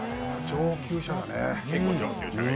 上級者だね。